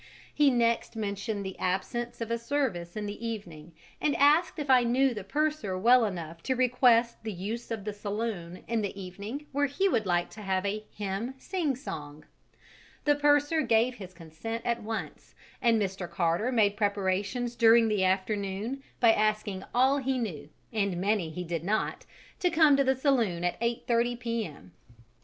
He next mentioned the absence of a service in the evening and asked if I knew the purser well enough to request the use of the saloon in the evening where he would like to have a "hymn sing song"; the purser gave his consent at once, and Mr. Carter made preparations during the afternoon by asking all he knew and many he did not to come to the saloon at 8.30 P.M.